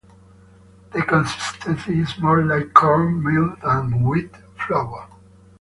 The consistency is more like corn meal than wheat flour.